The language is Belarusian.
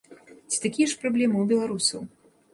Ці такія ж праблемы ў беларусаў?